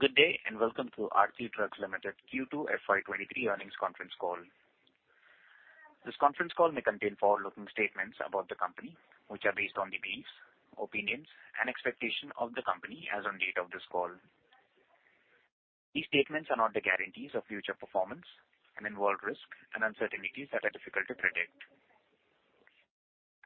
Ladies and gentlemen, good day and welcome to Aarti Drugs Limited Q2 FY2023 Earnings Conference Call. This conference call may contain forward-looking statements about the company, which are based on the views, opinions and expectation of the company as on date of this call. These statements are not the guarantees of future performance and involve risk and uncertainties that are difficult to predict.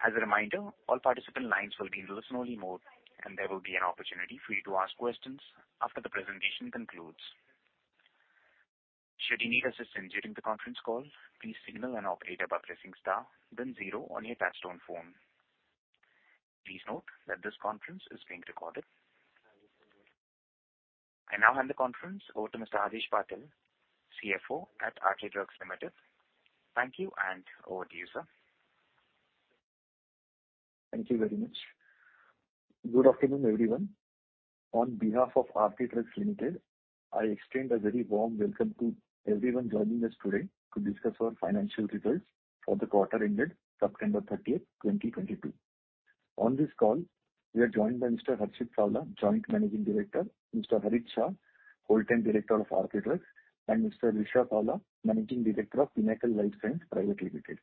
As a reminder, all participant lines will be in listen-only mode and there will be an opportunity for you to ask questions after the presentation concludes. Should you need assistance during the conference call, please signal an operator by pressing star then zero on your touchtone phone. Please note that this conference is being recorded. I now hand the conference over to Mr. Adhish Patil, CFO at Aarti Drugs Limited. Thank you and over to you, sir. Thank you very much. Good afternoon, everyone. On behalf of Aarti Drugs Limited, I extend a very warm welcome to everyone joining us today to discuss our financial results for the quarter ended September 30, 2022. On this call we are joined by Mr. Harshit M Savla, Joint Managing Director, Mr. Harit P Shah, Whole Time Director of Aarti Drugs and Mr. Vishwa H Savla, Managing Director of Pinnacle Life Science Private Limited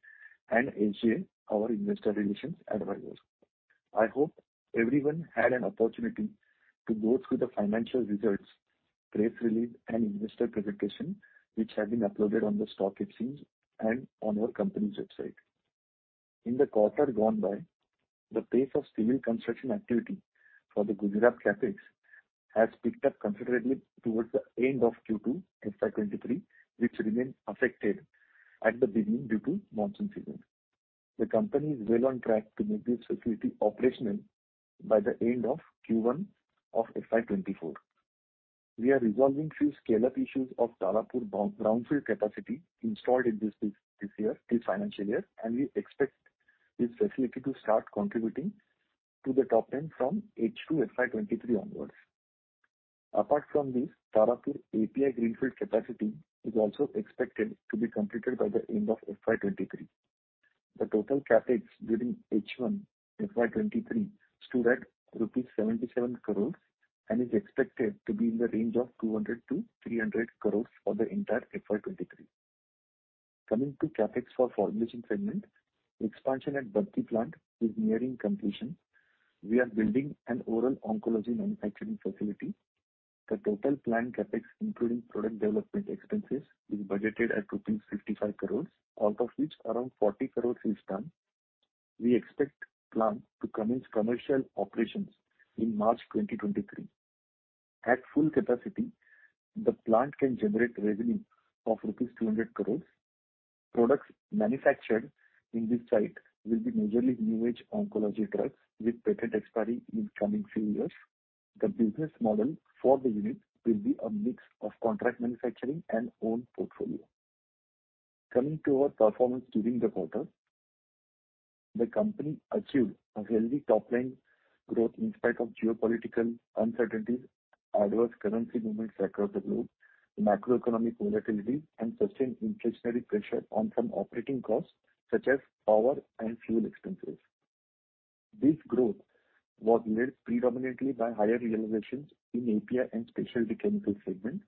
and HKA, our investor relations advisors. I hope everyone had an opportunity to go through the financial results, press release and investor presentation which have been uploaded on the stock exchanges and on our company's website. In the quarter gone by, the pace of civil construction activity for the Gujarat CapEx has picked up considerably towards the end of Q2 FY2023, which remained affected at the beginning due to monsoon season. The company is well on track to make this facility operational by the end of Q1 of FY2024. We are resolving a few scale-up issues of Tarapur brownfield capacity installed in this financial year and we expect this facility to start contributing to the top line from H2 FY2023 onwards. Apart from this, Tarapur API greenfield capacity is also expected to be completed by the end of FY2023. The total CapEx during H1 FY2023 stood at rupees 77 crores and is expected to be in the range of 200 crores to 300 crores for the entire FY2023. Coming to CapEx for formulation segment. The expansion at Baddi plant is nearing completion. We are building an oral oncology manufacturing facility. The total planned CapEx including product development expenses is budgeted at rupees 55 crores, out of which around 40 crores is done. We expect plant to commence commercial operations in March 2023. At full capacity, the plant can generate revenue of rupees 200 crores. Products manufactured in this site will be majorly new age oncology drugs with patent expiry in coming few years. The business model for the unit will be a mix of contract manufacturing and own portfolio. Coming to our performance during the quarter. The company achieved a healthy top line growth in spite of geopolitical uncertainties, adverse currency movements across the globe, macroeconomic volatility and sustained inflationary pressure on some operating costs such as power and fuel expenses. This growth was led predominantly by higher realizations in API and specialty chemical segment.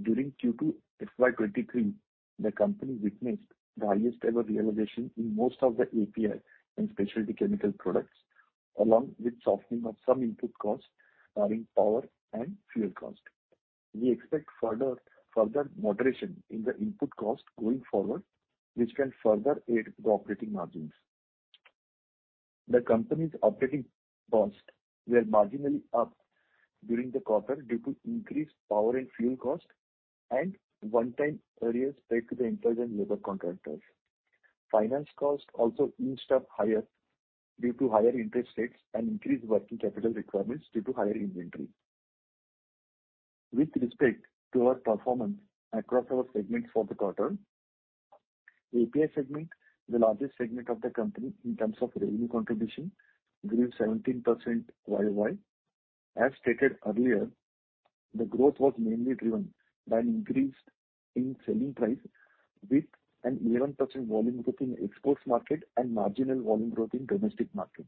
During Q2 FY2023, the company witnessed the highest ever realization in most of the API and specialty chemical products, along with softening of some input costs, namely power and fuel cost. We expect further moderation in the input cost going forward, which can further aid the operating margins. The company's operating costs were marginally up during the quarter due to increased power and fuel cost and one-time arrears paid to the employees and labor contractors. Finance costs also inched up higher due to higher interest rates and increased working capital requirements due to higher inventory. With respect to our performance across our segments for the quarter, API segment, the largest segment of the company in terms of revenue contribution, grew 17% year-over-year. As stated earlier, the growth was mainly driven by an increase in selling price with an 11% volume growth in exports market and marginal volume growth in domestic market.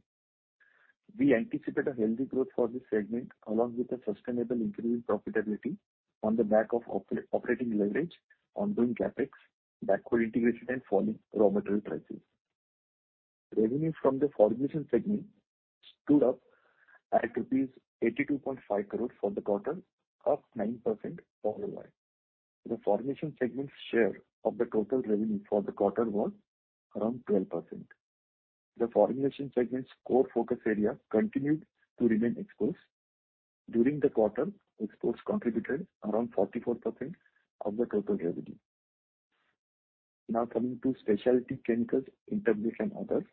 We anticipate a healthy growth for this segment along with a sustainable increase in profitability on the back of operating leverage, ongoing CapEx, backward integration and falling raw material prices. Revenue from the formulation segment stood at rupees 82.5 crores for the quarter, up 9% year-over-year. The formulation segment share of the total revenue for the quarter was around 12%. The formulation segment's core focus area continued to remain exports. During the quarter, exports contributed around 44% of the total revenue. Now coming to specialty chemicals, intermediates and others.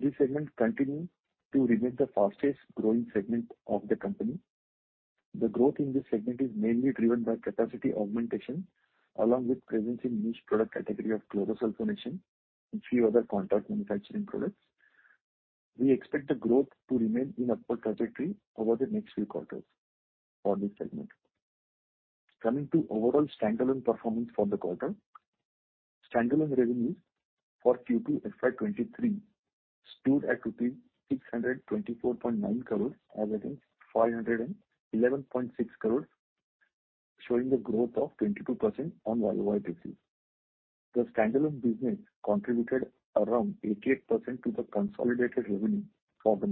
This segment continues to remain the fastest-growing segment of the company. The growth in this segment is mainly driven by capacity augmentation along with presence in niche product category of chlorosulfonation and few other contract manufacturing products. We expect the growth to remain in upward trajectory over the next few quarters for this segment. Coming to overall standalone performance for the quarter. Standalone revenues for Q2 FY2023 stood at rupees 624.9 crores as against 511.6 crores, showing a growth of 22% on year-over-year basis. The standalone business contributed around 88% to the consolidated revenue for the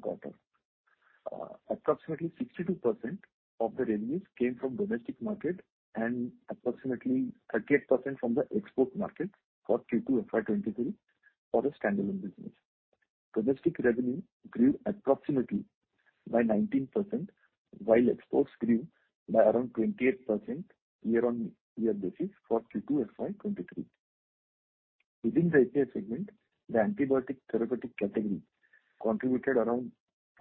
quarter. Approximately 62% of the revenues came from domestic market and approximately 38% from the export market for Q2 FY2023 for the standalone business. Domestic revenue grew approximately by 19%, while exports grew by around 28% year-on-year basis for Q2 FY2023. Within the API segment, the antibiotic therapeutic category contributed around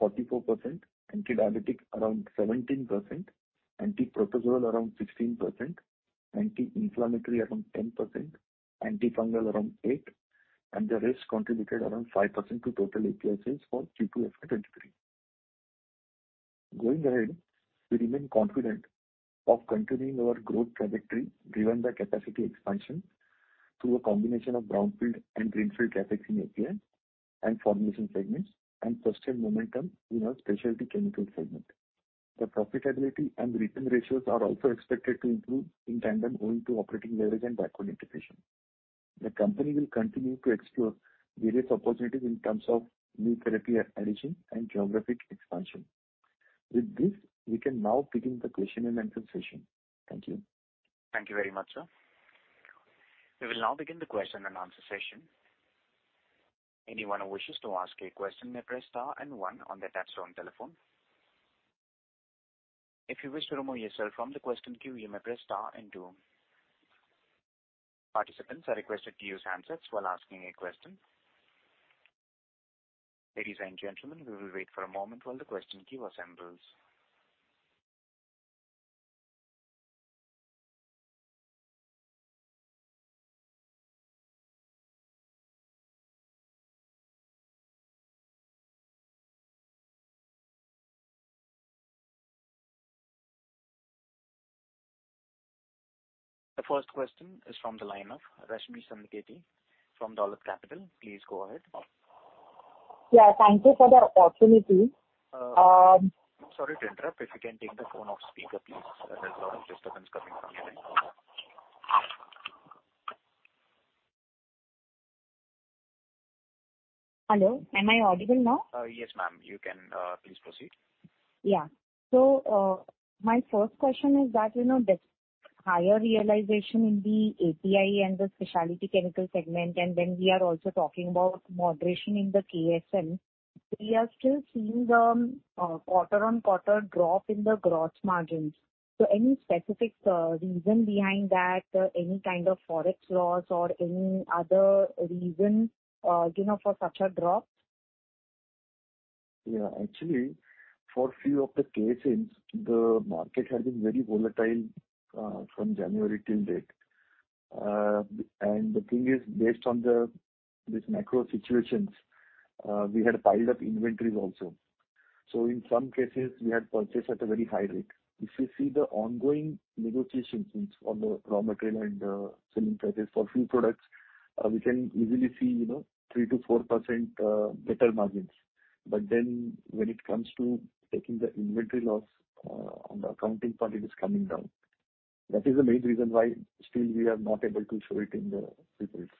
44%, antidiabetic around 17%, antiprotozoal around 16%, anti-inflammatory around 10%, antifungal around 8%, and the rest contributed around 5% to total API sales for Q2 FY2023. Going ahead, we remain confident of continuing our growth trajectory driven by capacity expansion through a combination of brownfield and greenfield capacity in API and formulation segments and sustained momentum in our specialty chemical segment. The profitability and return ratios are also expected to improve in tandem owing to operating leverage and backward integration. The company will continue to explore various opportunities in terms of new therapy addition and geographic expansion. With this, we can now begin the question and answer session. Thank you. Thank you very much, sir. We will now begin the question-and-answer session. Anyone who wishes to ask a question may press star and one on their touchtone telephone. If you wish to remove yourself from the question queue, you may press star and two. Participants are requested to use handsets while asking a question. Ladies and gentlemen, we will wait for a moment while the question queue assembles. The first question is from the line of Rashmi Sancheti from Dolat Capital. Please go ahead. Yeah, thank you for the opportunity. Sorry to interrupt. If you can take the phone off speaker, please. There's a lot of disturbance coming from your end. Hello, am I audible now? Yes, ma'am. You can please proceed. Yeah. My first question is that, you know, this higher realization in the API and the specialty chemical segment, and then we are also talking about moderation in the KSM. We are still seeing the quarter-on-quarter drop in the gross margins. Any specific reason behind that? Any kind of Forex loss or any other reason, you know, for such a drop? Actually, for few of the cases, the market has been very volatile from January till date. The thing is, based on this macro situations, we had piled up inventories also. In some cases, we had purchased at a very high rate. If you see the ongoing negotiations on the raw material and selling prices for few products, we can easily see, you know, 3% to 4% better margins. Then when it comes to taking the inventory loss on the accounting part, it is coming down. That is the main reason why still we are not able to show it in the reports.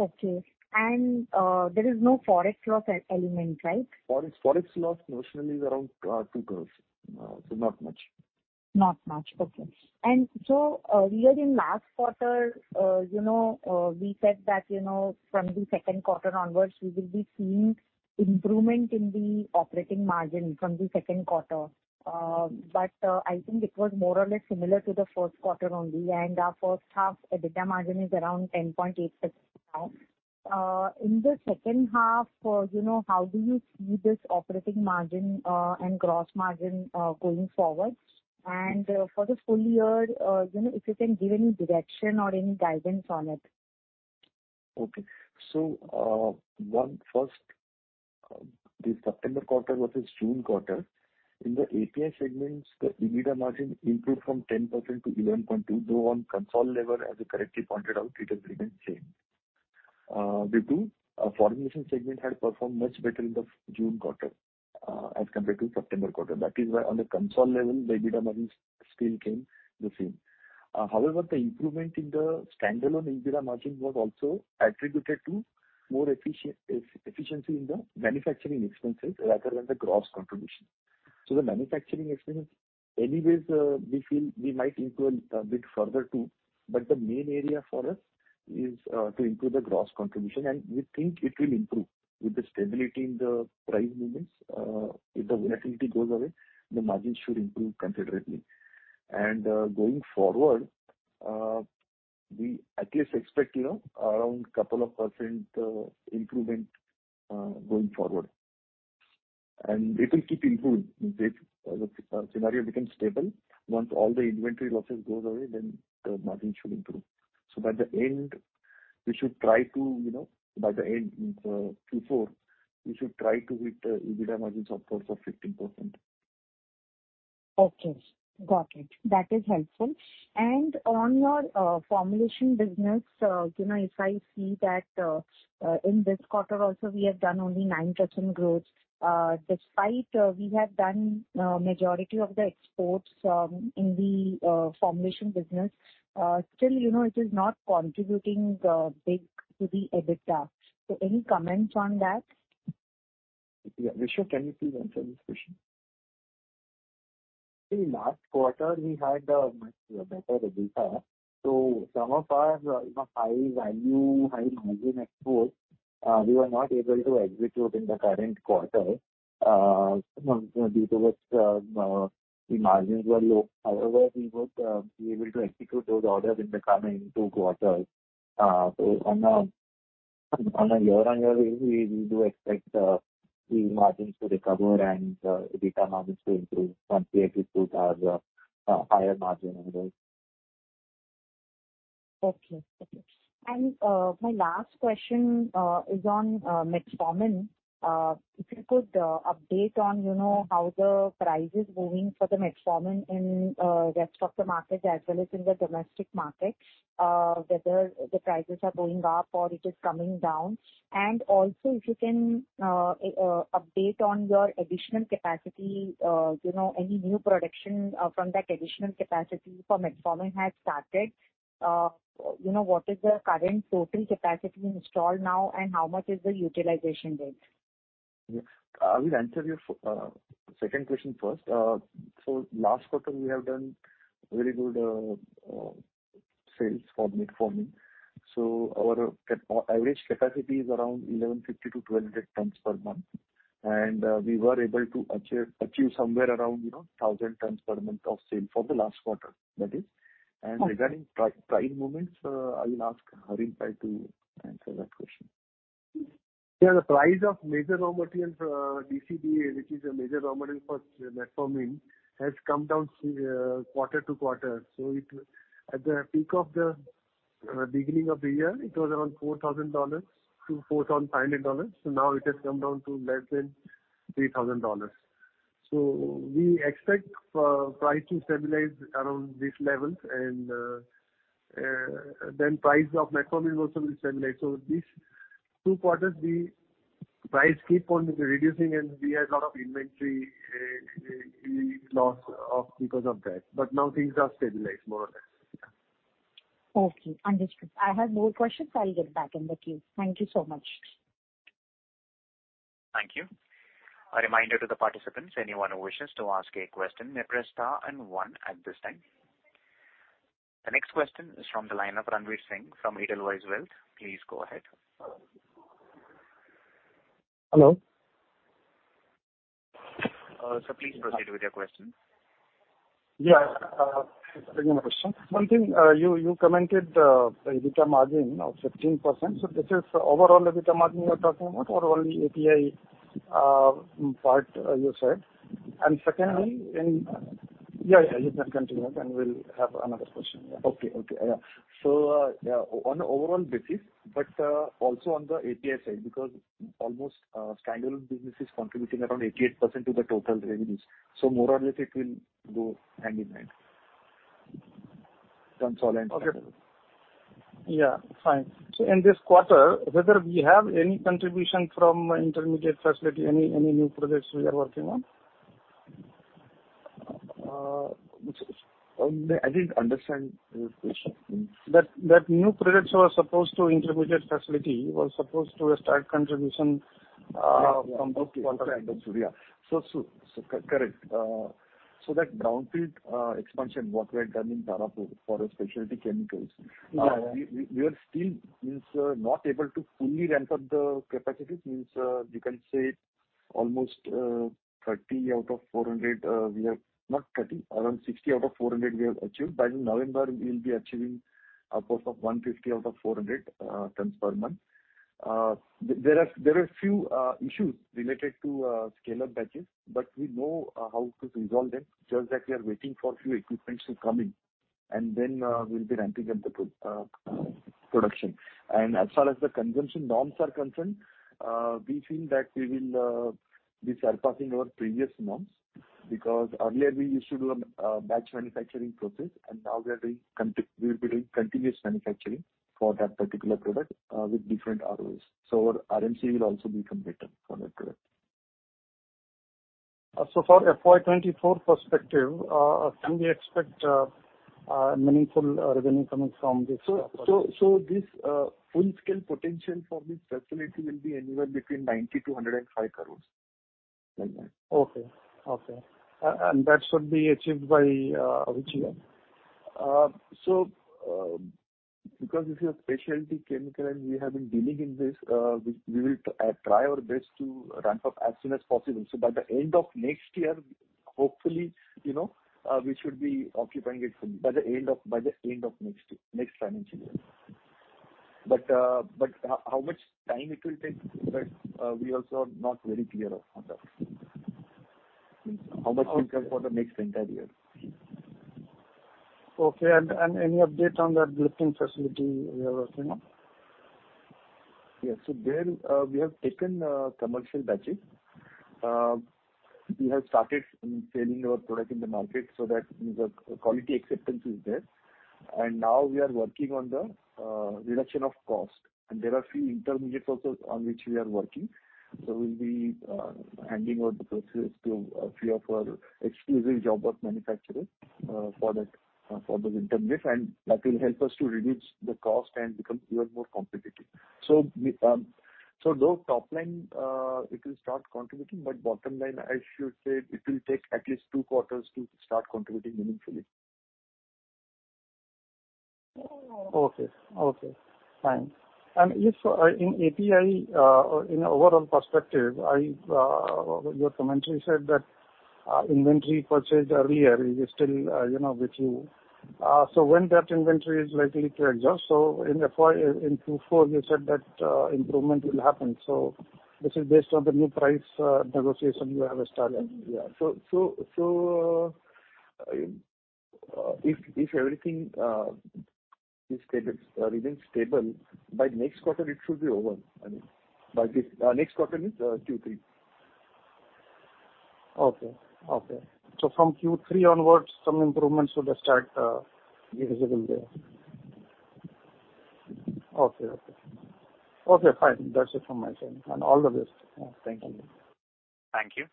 Okay. There is no Forex loss element, right? Forex loss notionally is around 2 crore. Not much. Not much. Okay. We are in last quarter, you know, we said that, you know, from the second quarter onwards, we will be seeing improvement in the operating margin from the second quarter. I think it was more or less similar to the first quarter only. Our first half EBITDA margin is around 10.8% now. In the second half, you know, how do you see this operating margin and gross margin going forward? For the full year, you know, if you can give any direction or any guidance on it. Okay. First, the September quarter versus June quarter. In the API segments, the EBITDA margin improved from 10% to 11.2%. Though on consolidated level, as you correctly pointed out, it has remained same. The formulation segment had performed much better in the June quarter, as compared to September quarter. That is why on the consolidated level, the EBITDA margin still came the same. However, the improvement in the standalone EBITDA margin was also attributed to more efficiency in the manufacturing expenses rather than the gross contribution. So the manufacturing expense, anyways, we feel we might improve a bit further too, but the main area for us is to improve the gross contribution, and we think it will improve with the stability in the price movements. If the volatility goes away, the margins should improve considerably. Going forward, we at least expect, you know, around a couple of percent improvement going forward. It will keep improving if the scenario becomes stable. Once all the inventory losses goes away, then the margin should improve. By the end of Q4, we should try to hit the EBITDA margins of course of 15%. Okay. Got it. That is helpful. On your formulation business, you know, if I see that, in this quarter also we have done only 9% growth, despite we have done majority of the exports in the formulation business. Still, you know, it is not contributing big to the EBITDA. Any comments on that? Yeah. Vishwa, can you please answer this question? In last quarter we had a much better result. Some of our, you know, high value, high margin exports, we were not able to execute in the current quarter, so due to which, the margins were low. However, we would be able to execute those orders in the coming two quarters. On a year-on-year basis, we do expect, the margins to recover and, EBITDA margins to improve from here with good, higher margin orders. Okay. My last question is on metformin. If you could update on, you know, how the price is moving for the metformin in rest of the markets as well as in the domestic market, whether the prices are going up or it is coming down. If you can update on your additional capacity, you know, any new production from that additional capacity for metformin has started. You know, what is the current total capacity installed now and how much is the utilization there? Yeah. I will answer your second question first. Last quarter we have done very good sales for metformin. Our average capacity is around 1,150 to 1,200 tons per month. We were able to achieve somewhere around, you know, 1,000 tons per month of sale for the last quarter, that is. Okay. Regarding price movements, I will ask Harit to answer that question. Yeah. The price of Metformin, DCDA, which is a major raw material for metformin, has come down quarter to quarter. At the peak of the beginning of the year, it was around $4,000 to $4,500. Now it has come down to less than $3,000. We expect price to stabilize around this level and then price of metformin also will stabilize. These two quarters the price kept on reducing and we had a lot of inventory loss because of that, but now things are stabilized more or less. Okay. Understood. I have more questions. I'll get back in the queue. Thank you so much. Thank you. A reminder to the participants, anyone who wishes to ask a question may press star and one at this time. The next question is from the line of Ranvir Singh from Edelweiss Wealth. Please go ahead. Hello. Sir, please proceed with your question. Yeah. Thank you. One thing, you commented, the EBITDA margin of 15%. This is overall EBITDA margin you are talking about or only API part you said? Secondly, in- Yeah, yeah. You can continue and we'll have another question. Yeah. Okay. Yeah. Yeah, on overall basis, but also on the API side, because almost standalone business is contributing around 88% to the total revenues. More or less it will go hand in hand. Consolidation. In this quarter, whether we have any contribution from intermediate facility, any new projects we are working on? I didn't understand your question. That intermediate facility was supposed to start contribution from this quarter. Yeah. Correct. That brownfield expansion what we had done in Tarapur for a specialty chemicals. Yeah. We are still not able to fully ramp up the capacity. Since you can say almost 30 out of 400 we have achieved. Not 30, around 60 out of 400 we have achieved. By November we will be achieving upwards of 150 out of 400 tons per month. There are few issues related to scale-up batches, but we know how to resolve them. Just that we are waiting for few equipment to come in and then we'll be ramping up the production. As far as the consumption norms are concerned, we feel that we will be surpassing our previous norms, because earlier we used to do batch manufacturing process and now we will be doing continuous manufacturing for that particular product with different ROAs. Our RMC will also become better for that product. For FY2024 perspective, can we expect meaningful revenue coming from this- This full-scale potential for this facility will be anywhere between 90 crore to 105 crore. Okay. That should be achieved by which year? Because this is a specialty chemical and we have been dealing in this, we will try our best to ramp up as soon as possible. By the end of next year, hopefully, you know, we should be occupying it by the end of next year, next financial year. How much time it will take, that we also are not very clear on that. How much income for the next entire year. Okay. Any update on that lifesciences facility you are working on? Yes. There we have taken commercial batches. We have started selling our product in the market so that the quality acceptance is there. Now we are working on the reduction of cost. There are few intermediates also on which we are working. We'll be handing over the process to a few of our exclusive job work manufacturers for that, for those intermediates, and that will help us to reduce the cost and become even more competitive. Though top line it will start contributing, but bottom line, I should say it will take at least two quarters to start contributing meaningfully. Okay. Okay, fine. If in API, in overall perspective, your commentary said that inventory purchase earlier is still, you know, with you. When that inventory is likely to adjust, so in Q4 you said that improvement will happen. This is based on the new price negotiation you have started? Yeah. If everything remains stable, by next quarter it should be over. I mean, by this next quarter means Q3. Okay. So from Q3 onwards, some improvements will start visible there. Okay, fine. That's it from my side. All the best. Thank you. Thank you.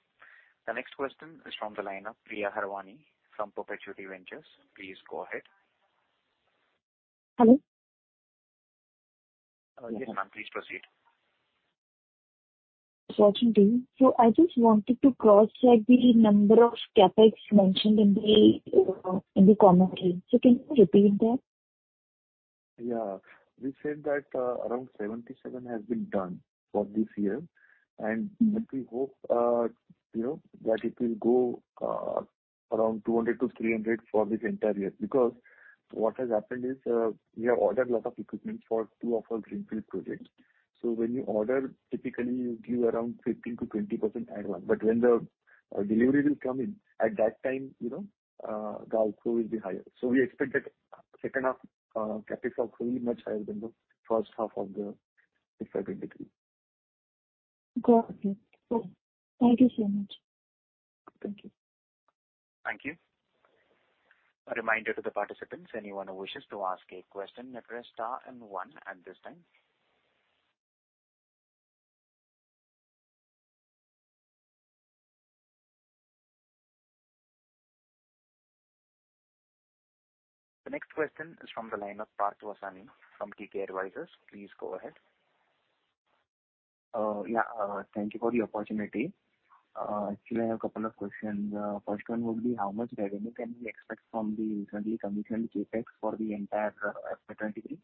The next question is from the line of Priya Harwani from Perpetuity Ventures. Please go ahead. Hello? Yes, ma'am, please proceed. Certainly. I just wanted to cross-check the number of CapEx mentioned in the commentary. Can you repeat that? Yeah. We said that around 77 has been done for this year. We hope, you know, that it will go around 200 to 300 for this entire year. Because what has happened is, we have ordered lot of equipment for two of our greenfield projects. When you order, typically you give around 15% to 20% add-on. When the delivery will come in, at that time, you know, the outflow will be higher. We expect that second half, CapEx will be much higher than the H1of the FY2023. Got it. Thank you so much. Thank you. Thank you. A reminder to the participants, anyone who wishes to ask a question, may press star and one at this time. The next question is from the line of Parth Vasani from KK Advisors. Please go ahead. Yeah. Thank you for the opportunity. Actually I have a couple of questions. First one would be how much revenue can we expect from the recently commissioned CapEx for the entire fiscal 2023?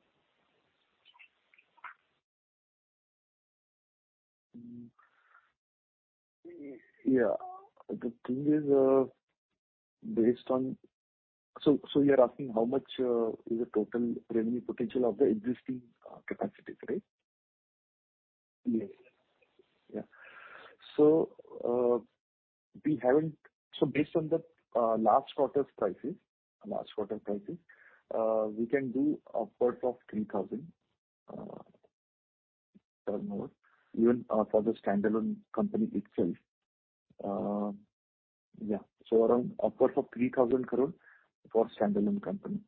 Yeah. The thing is, you're asking how much is the total revenue potential of the existing capacities, right? Yes. Yeah. Based on the last quarter's prices, we can do upwards of 3,000 crore turnover even for the standalone company itself. Around upwards of 3,000 crore for standalone company.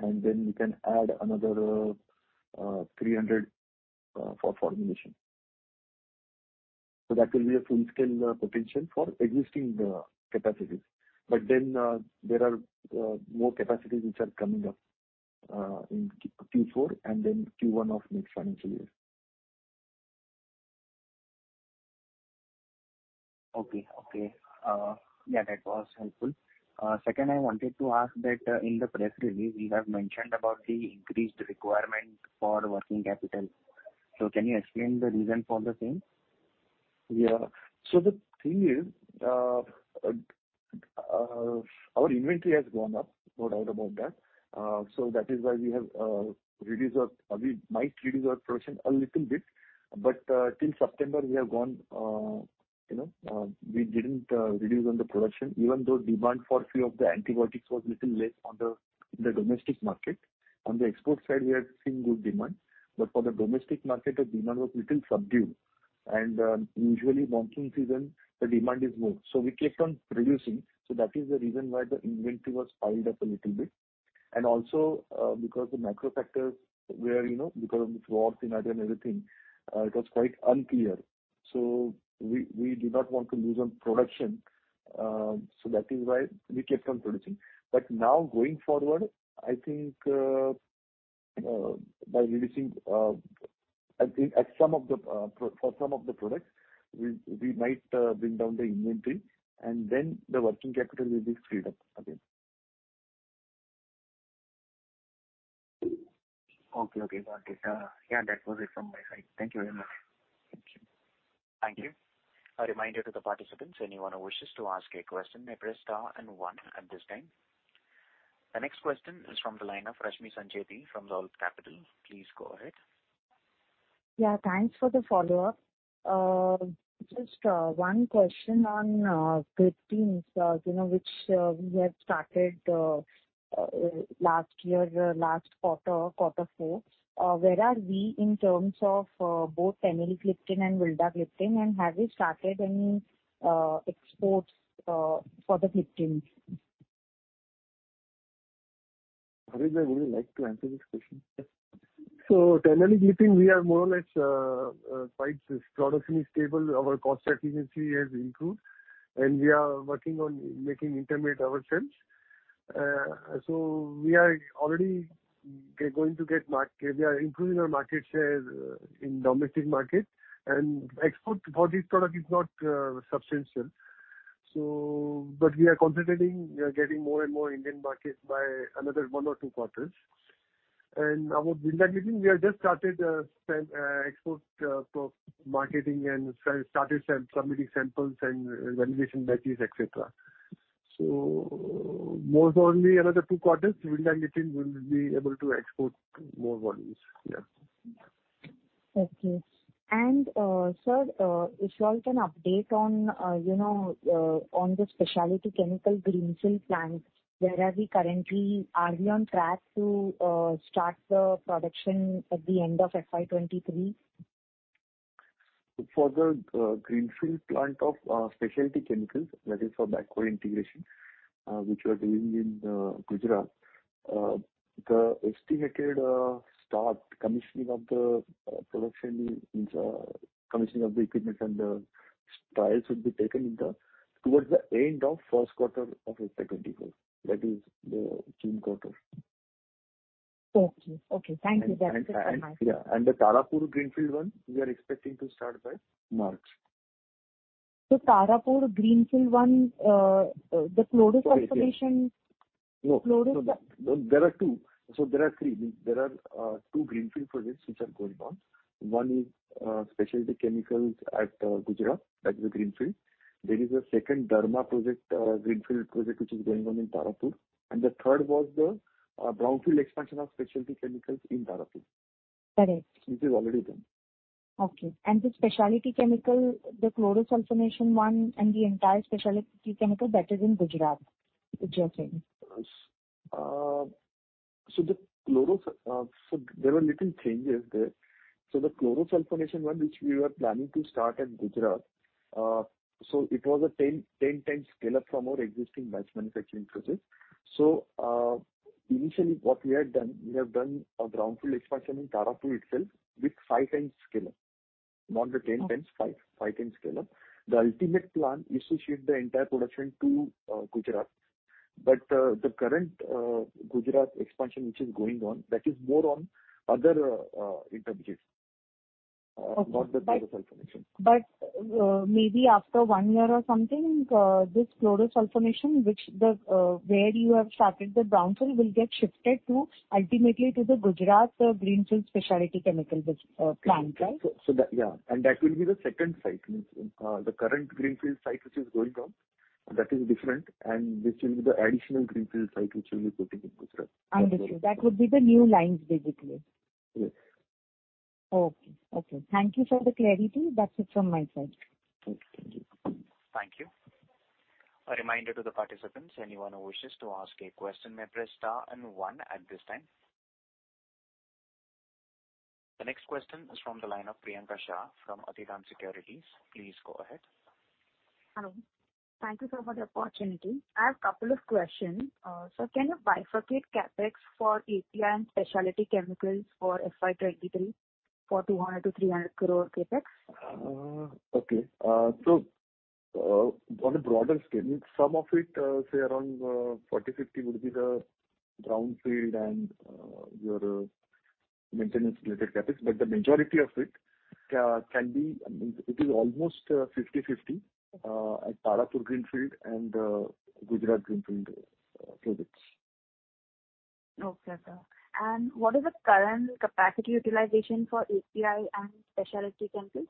Then we can add another 300 for formulation. That will be a full-scale potential for existing capacities. There are more capacities which are coming up in Q4 and then Q1 of next financial year. Okay. Yeah, that was helpful. Second, I wanted to ask that, in the press release you have mentioned about the increased requirement for working capital. Can you explain the reason for the same? Yeah. The thing is, our inventory has gone up, no doubt about that. That is why we might reduce our production a little bit. Till September, you know, we haven't reduce production, even though demand for few of the antibiotics was little less in the domestic market. On the export side, we had seen good demand, but for the domestic market, the demand was little subdued. Usually monsoon season the demand is more. We kept on producing. That is the reason why the inventory was piled up a little bit. Also, because the macro factors were, you know, because of war, inflation and everything, it was quite unclear. We did not want to lose on production, so that is why we kept on producing. Now going forward, I think, by releasing for some of the products, we might bring down the inventory and then the working capital will be freed up again. Okay. Got it. Yeah, that was it from my side. Thank you very much. Thank you. Thank you. A reminder to the participants, anyone who wishes to ask a question, may press star and one at this time. The next question is from the line of Rashmi Sancheti from Dolat Capital. Please go ahead. Yeah, thanks for the follow-up. Just one question on gliptins, you know, which we have started last year, last quarter four. Where are we in terms of both teneligliptin and vildagliptin, and have you started any exports for the gliptins? Harit, I would like to answer this question. Teneligliptin, we are more or less quite. This production is stable. Our cost efficiency has improved, and we are working on making intermediate ourselves. We are already going to get market. We are improving our market share in domestic market and export for this product is not substantial. We are concentrating, we are getting more and more Indian market by another one or two quarters. About vildagliptin, we have just started selling, exporting, marketing and started submitting samples and validation batches, et cetera. Most only another two quarters, vildagliptin will be able to export more volumes. Sir, if you all can update on, you know, on the specialty chemical greenfield plant, where are we currently? Are we on track to start the production at the end of FY2023? For the greenfield plant of specialty chemicals, that is for backward integration, which we are doing in Gujarat, the estimated start commissioning of the production is commissioning of the equipment and the trials will be taken towards the end of first quarter of FY2024. That is the June quarter. Okay. Okay. Thank you. That's it from my side. The Tarapur greenfield one we are expecting to start by March. Tarapur greenfield one, the chlorosulfonation. No. Chlorosulf- No, there are two. There are three. There are two greenfield projects which are going on. One is specialty chemicals at Gujarat. That is a greenfield. There is a second derma project greenfield project which is going on in Tarapur. The third was the brownfield expansion of specialty chemicals in Tarapur. Correct. Which is already done. Okay. The specialty chemical, the chlorosulfonation one and the entire specialty chemical that is in Gujarat only? There were little changes there. The chlorosulfonation one which we were planning to start at Gujarat, it was a 10x scale-up from our existing batch manufacturing process. Initially what we had done, we have done a brownfield expansion in Tarapur itself with 5x scale-up. Not the 10x, 5x scale-up. The ultimate plan is to shift the entire production to Gujarat. The current Gujarat expansion which is going on, that is more on other intermediates. Okay. Not the chlorosulfonation. Maybe after one year or something, this chlorosulfonation where you have started the brownfield will get shifted ultimately to the Gujarat greenfield specialty chemical plant, right? That, yeah. That will be the second site. The current greenfield site which is going on, that is different. This will be the additional greenfield site which we'll be putting in Gujarat. Understood. That would be the new lines basically. Yes. Okay. Thank you for the clarity. That's it from my side. Okay. Thank you. Thank you. A reminder to the participants, anyone who wishes to ask a question may press star and one at this time. The next question is from the line of Priyanka Shah from Antique Securities. Please go ahead. Hello. Thank you, sir, for the opportunity. I have couple of questions. Sir, can you bifurcate CapEx for API and specialty chemicals for FY2023, 41 crore to INR 300 crore CapEx? On a broader scale, some of it, say around 40 to 50 would be the brownfield and your maintenance related CapEx. But the majority of it can be, I mean, it is almost 50-50 at Tarapur greenfield and Gujarat greenfield projects. Okay, sir. What is the current capacity utilization for API and specialty chemicals?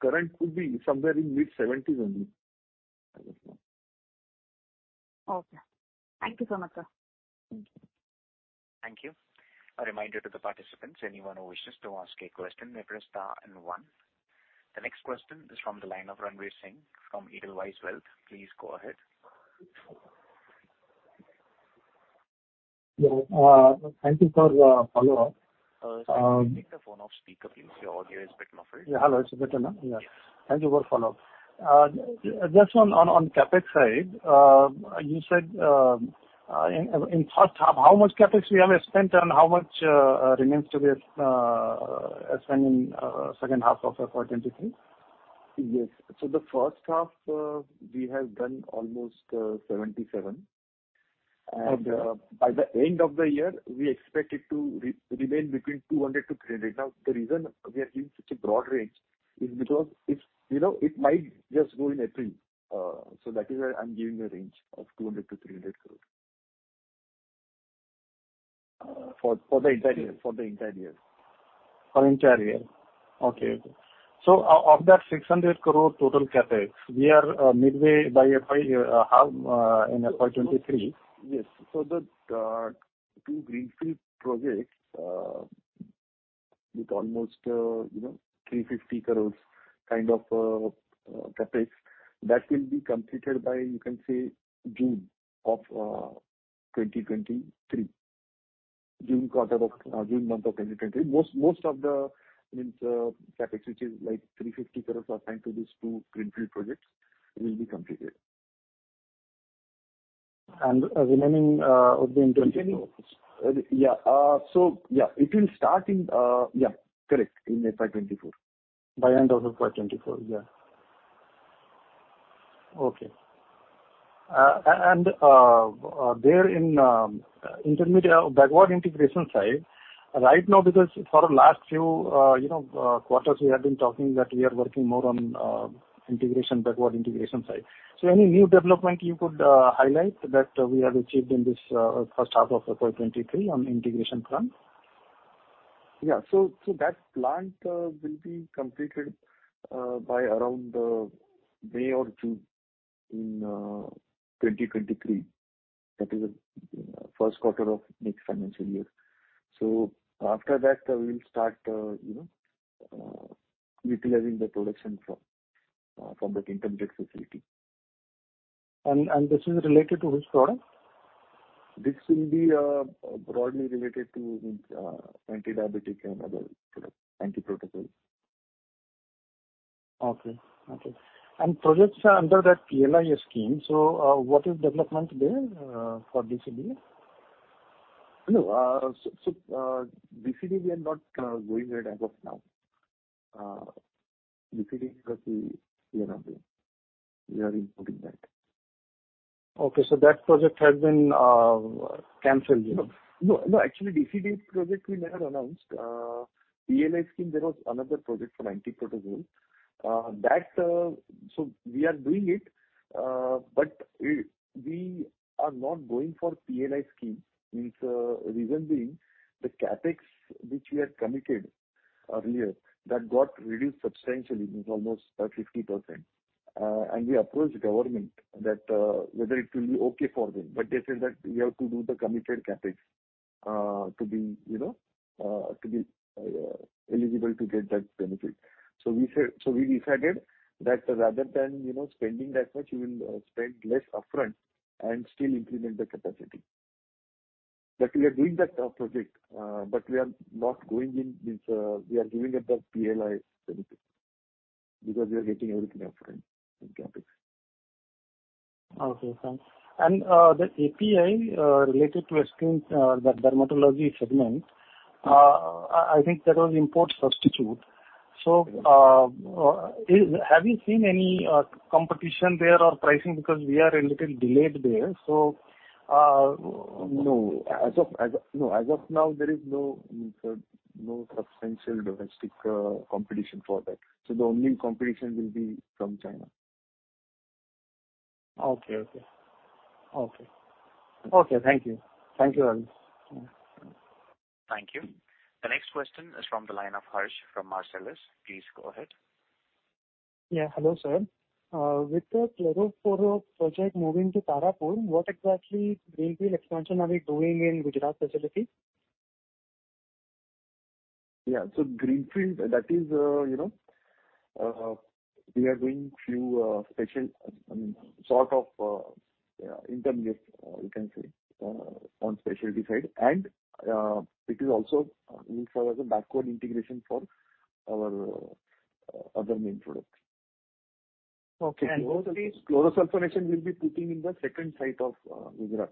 Current could be somewhere in mid-70s only. Okay. Thank you so much, sir. Thank you. Thank you. A reminder to the participants, anyone who wishes to ask a question may press star and one. The next question is from the line of Ranvir Singh from Edelweiss Wealth. Please go ahead. Yeah. Thank you for follow-up. Sir, can you take the phone off speaker, please? Your audio is a bit muffled. Yeah. Hello. It's better now? Yeah. Thank you for follow-up. Just on CapEx side, you said in first half how much CapEx we have spent and how much remains to be spent in H2 of FY2023? Yes. The first half, we have done almost 77. Okay. By the end of the year, we expect it to remain between 200 crore to 300 crore. Now, the reason we are giving such a broad range is because it's, you know, it might just go in April. That is why I'm giving a range of 200 crore to 300 crore. For the entire year? For the entire year. For entire year. Okay. Of that 600 crore total CapEx, we are midway by FY half in FY2023. Yes. That two greenfield projects with almost, you know, 350 crores kind of CapEx that will be completed by, you can say, June of 2023. June quarter of June month of 2020. Most of the main CapEx, which is like 350 crores, are assigned to these two greenfield projects, will be completed. The remaining would be in 2024. Continuing. Yeah. Yeah, it will start in, yeah. Correct. In FY2024. By end of FY2024. Yeah. Okay. On the intermediate or backward integration side, right now because for the last few, you know, quarters we have been talking that we are working more on, integration, backward integration side. Any new development you could highlight that we have achieved in this first half of FY2023 on integration front? That plant will be completed by around May or June in 2023. That is the first quarter of next financial year. After that, we will start you know utilizing the production from that intermediate facility. This is related to which product? This will be broadly related to anti-diabetic and other products, antiprotozoals. Okay. Projects are under that PLI scheme. What is development there for DCDA? No. DCDA, we are not going with as of now. DCDA, that we are not doing. We are including that. Okay, that project has been canceled, you know. No, actually DCDA project we never announced. PLI scheme there was another project for antiprotozoal. That, we are doing it, but we are not going for PLI scheme. Means, reason being the CapEx which we had committed earlier that got reduced substantially, means almost 50%. We approached government that whether it will be okay for them, but they said that we have to do the committed CapEx to be eligible to get that benefit. We decided that rather than spending that much we will spend less upfront and still implement the capacity. But we are doing that project, but we are not going in, means we are giving up that PLI benefit because we are getting everything upfront in CapEx. Okay, thanks. The API related to creams that dermatology segment, I think that was import substitution. Have you seen any competition there or pricing because we are a little delayed there, so No. As of now, there is no substantial domestic competition for that. The only competition will be from China. Okay. Thank you, Adhish. Thank you. The next question is from the line of Harsh from Marcellus. Please go ahead. Yeah, hello sir. With the chlorosulfonation project moving to Tarapur, what exactly greenfield expansion are we doing in Gujarat facility? Yeah. Greenfield that is, you know, we are doing few special, I mean, sort of, yeah, intermediate, you can say, on specialty side. It is also will serve as a backward integration for our other main products. Okay. Chlorosulfonation, we'll be putting in the second site of Gujarat.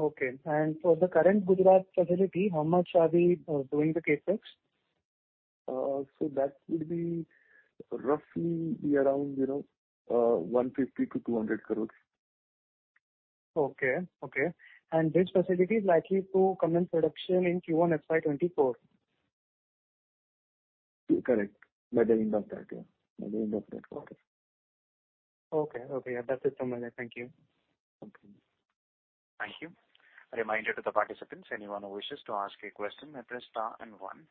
Okay. For the current Gujarat facility, how much are we doing the CapEx? That will be roughly around, you know, 150 crore to 200 crore. This facility is likely to commence production in Q1 FY2024. Correct. By the end of that year. By the end of that quarter. Okay. Okay. Yeah. That's it from my end. Thank you. Okay. Thank you. A reminder to the participants, anyone who wishes to ask a question may press star and one.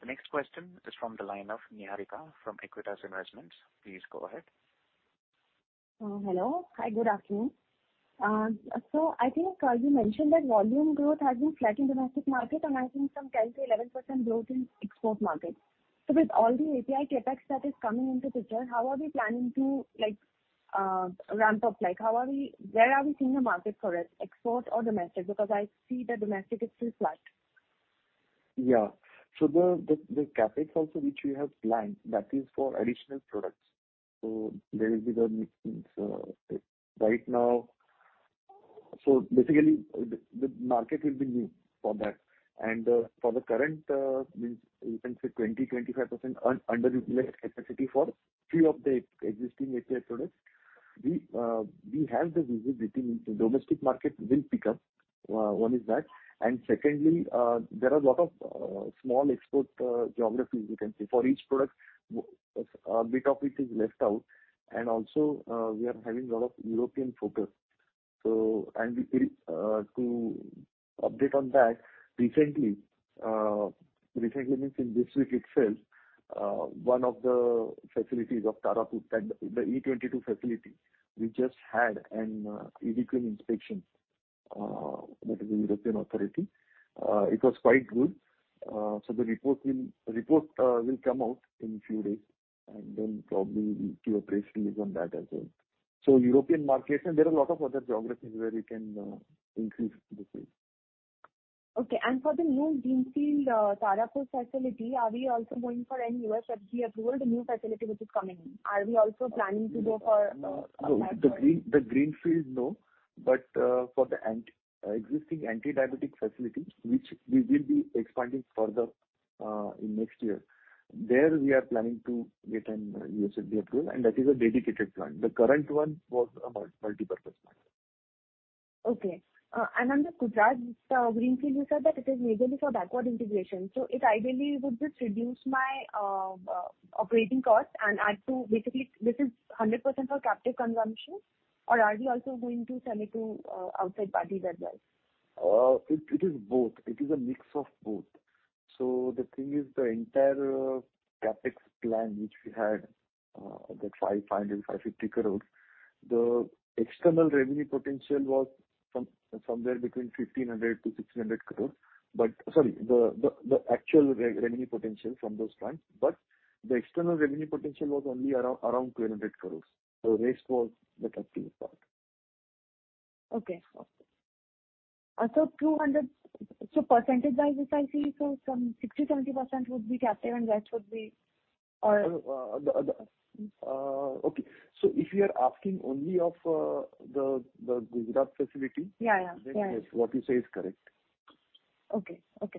The next question is from the line of Niharika from Equitas Investments. Please go ahead. Hello. Hi, good afternoon. I think you mentioned that volume growth has been flat in domestic market and I think some 10% to 11% growth in export market. With all the API CapEx that is coming into picture, how are we planning to like ramp up? Like, where are we seeing the market for it, export or domestic? Because I see the domestic is still flat. Yeah. The CapEx also which we have planned, that is for additional products. There will be I mean, right now. Basically the market will be new for that. For the current, I mean you can say 25% underutilized capacity for few of the existing API products. We have the visibility I mean domestic market will pick up. One is that. Secondly, there are a lot of small export geographies you can say. For each product a bit of it is left out. Also, we are having a lot of European focus and we feel, to update on that, recently, I mean in this week itself, one of the facilities of Tarapur, the E-22 facility, we just had an EDQM inspection, that is the European authority. It was quite good. The report will come out in few days, and then probably we'll give a press release on that as well. European markets, and there are a lot of other geographies where we can increase the sales. Okay. For the new greenfield Tarapur facility, are we also going for any U.S. FDA approval, the new facility which is coming in? Are we also planning to go for, apart from? No. The greenfield, no. For the existing antidiabetic facility, which we will be expanding further in next year, there we are planning to get an U.S. FDA approval, and that is a dedicated plant. The current one was a multipurpose plant. Okay. On the Gujarat greenfield, you said that it is majorly for backward integration. It ideally would just reduce my operating costs. Basically this is 100% for captive consumption or are we also going to sell it to outside parties as well? It is both. It is a mix of both. The thing is, the entire CapEx plan which we had, that 500 crore to 550 crore, the external revenue potential was somewhere between 1,500 crore to 1,600 crore. Sorry, the actual revenue potential from those plants, but the external revenue potential was only around 200 crore. The rest was the captive part. Percentage wise, if I see, so some 60, 20% would be captive and rest would be or. Okay. If you are asking only of the Gujarat facility. Yeah, yeah. Yeah. Yes, what you say is correct. Okay,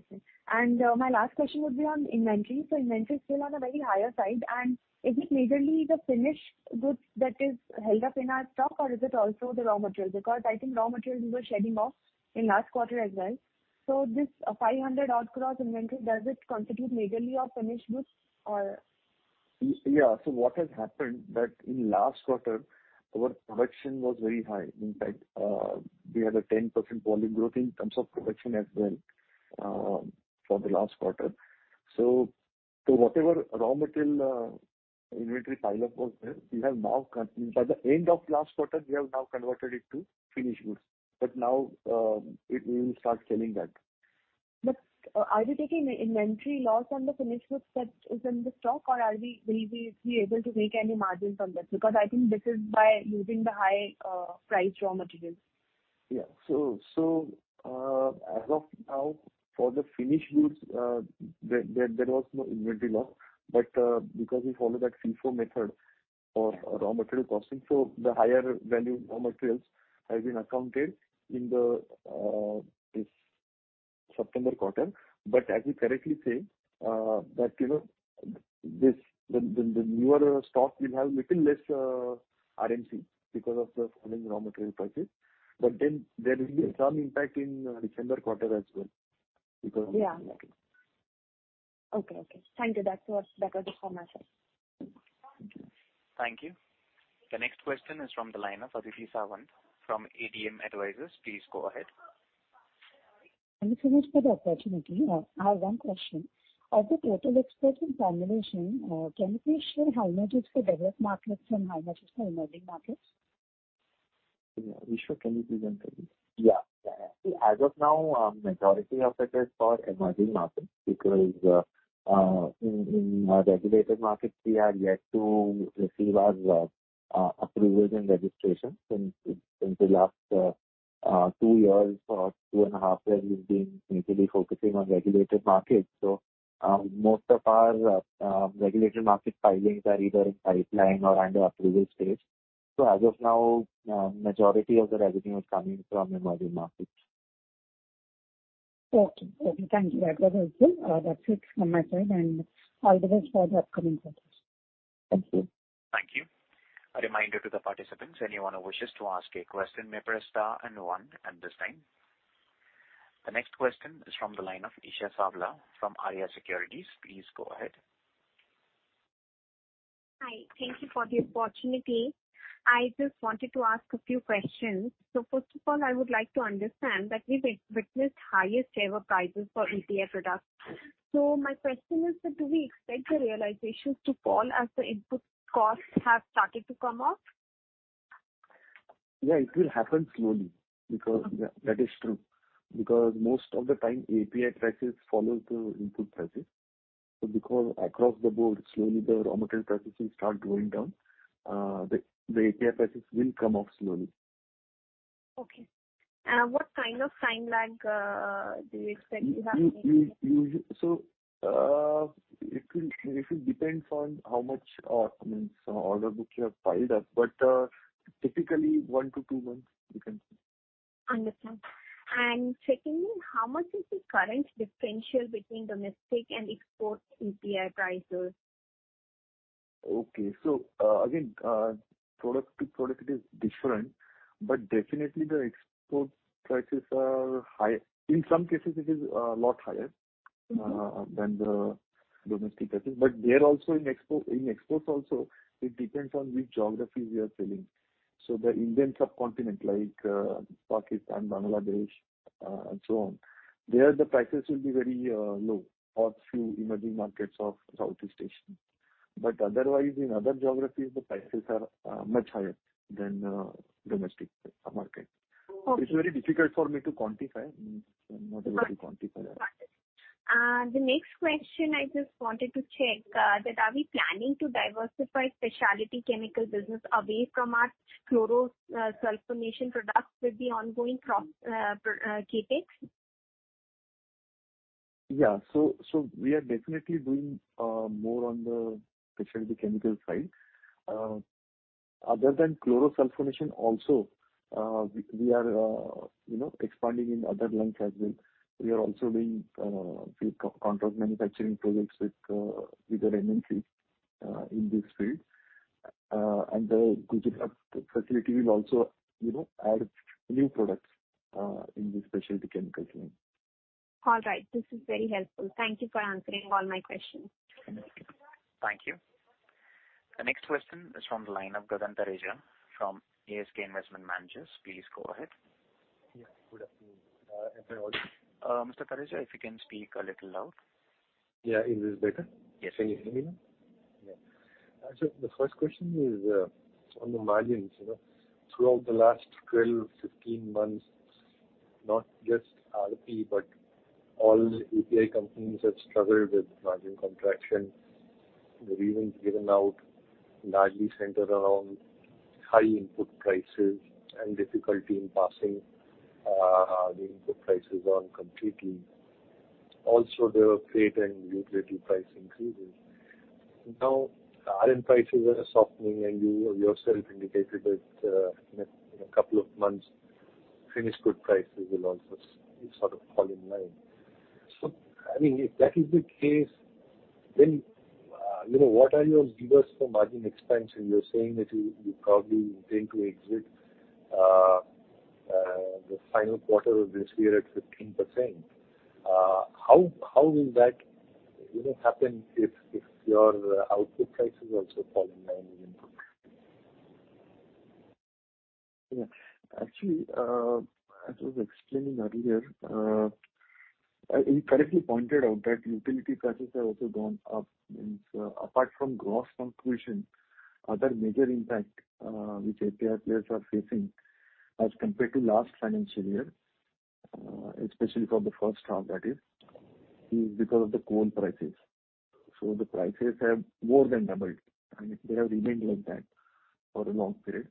sir. My last question would be on inventory. Inventory is still on a very higher side, and is it majorly the finished goods that is held up in our stock or is it also the raw materials? Because I think raw materials were shedding off in last quarter as well. This 500-odd crore inventory, does it constitute majorly of finished goods or? Yeah. What has happened that in last quarter our production was very high. In fact, we had a 10% volume growth in terms of production as well, for the last quarter. Whatever raw material inventory pileup was there. By the end of last quarter, we have now converted it to finished goods. Now, it will start selling that. Are you taking inventory loss on the finished goods that is in the stock or are we, will we be able to make any margins on this? Because I think this is by using the high priced raw materials. So, as of now, for the finished goods, there was no inventory loss. Because we follow that FIFO method for raw material costing, the higher value raw materials has been accounted in this September quarter. As you correctly say, that you know, the newer stock will have little less RMC because of the falling raw material prices. There will be some impact in December quarter as well because of. Yeah. Okay. Okay. Thank you. That was it from my side. Thank you. Thank you. The next question is from the line of Aditi Sawant from ADM Advisors. Please go ahead. Thank you so much for the opportunity. I have one question. Of the total exports in formulation, can you please share how much is for developed markets and how much is for emerging markets? Yeah. Vishwa Savla, can you please answer this? Yeah. As of now, majority of it is for emerging markets because in our regulated markets we are yet to receive our approval and registration. Since the last two years or 2.5 years, we've been majorly focusing on regulated markets. Most of our regulated market filings are either in pipeline or under approval stage. As of now, majority of the revenue is coming from emerging markets. Okay. Thank you. That was it. That's it from my side, and all the best for the upcoming quarters. Thank you. Thank you. A reminder to the participants, anyone who wishes to ask a question, may press star and one at this time. The next question is from the line of Esha Sawla from Arya Securities. Please go ahead. Hi. Thank you for the opportunity. I just wanted to ask a few questions. First of all, I would like to understand that we've witnessed highest ever prices for API products. My question is that do we expect the realizations to fall as the input costs have started to come off? Yeah, it will happen slowly because yeah, that is true. Because most of the time API prices follow the input prices. Because across the board, slowly the raw material prices will start going down, the API prices will come off slowly. Okay. And what kind of timeline do you expect to have in mind? It will depend on how much I mean order book you have piled up. But, typically one to two months, you can say. Understand. Secondly, how much is the current differential between domestic and export API prices? Okay. Again, product to product it is different, but definitely the export prices are high. In some cases it is a lot higher than the domestic, I think. There also in exports also, it depends on which geographies we are selling. The Indian subcontinent like Pakistan, Bangladesh, and so on, there, the prices will be very low in few emerging markets of Southeast Asia. Otherwise in other geographies the prices are much higher than the domestic market. Okay. It's very difficult for me to quantify. I'm not able to quantify that. Got it. The next question I just wanted to check that are we planning to diversify specialty chemical business away from our chlorosulfonation products with the ongoing CapEx? We are definitely doing more on the specialty chemical side. Other than chlorosulfonation also, we are, you know, expanding in other lines as well. We are also doing few contract manufacturing projects with our MNCs in this field. The Gujarat facility will also, you know, add new products in the specialty chemicals line. All right. This is very helpful. Thank you for answering all my questions. Thank you. Thank you. The next question is from the line of Gagan Thareja from ASK Investment Managers. Please go ahead. Yeah. Good afternoon. Mr. Thareja, if you can speak a little louder. Yeah. Is this better? Yes. Can you hear me now? Yeah. The first question is on the margins. You know, throughout the last 12, 15 months, not just Aarti but all API companies have struggled with margin contraction. The reasons given out largely centered around high input prices and difficulty in passing the input prices on completely. Also, there were freight and utility price increases. Now RM prices are softening and you yourself indicated that in a couple of months finished good prices will also sort of fall in line. I mean, if that is the case then, you know, what are your levers for margin expansion? You're saying that you probably intend to exit the final quarter of this year at 15%. How will that, you know, happen if your output prices also fall in line with input? Actually, as I was explaining earlier, you correctly pointed out that utility prices have also gone up. I mean, apart from gross contribution, other major impact which API players are facing as compared to last financial year, especially for the first half that is because of the coal prices. The prices have more than doubled and they have remained like that for a long period.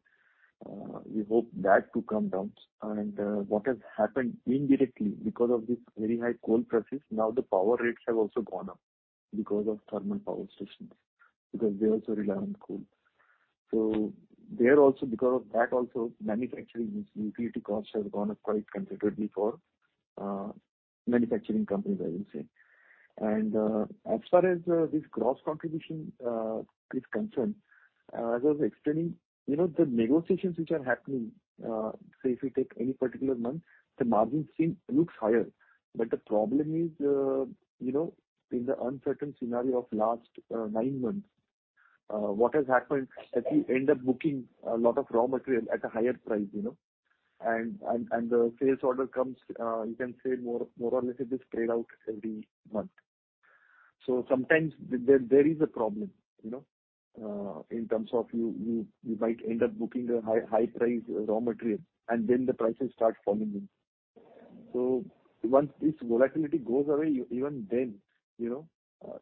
We hope that to come down. What has happened indirectly because of this very high coal prices, now the power rates have also gone up because of thermal power stations, because they also rely on coal. There also because of that also manufacturing utility costs have gone up quite considerably for manufacturing companies, I will say. As far as this gross contribution is concerned, as I was explaining, you know, the negotiations which are happening, say if you take any particular month, the margin looks higher. The problem is, you know, in the uncertain scenario of last nine months, what has happened is we end up booking a lot of raw material at a higher price, you know. The sales order comes, you can say more or less it is paid out every month. Sometimes there is a problem, you know, in terms of you might end up booking the high price raw material and then the prices start falling in. Once this volatility goes away even then, you know,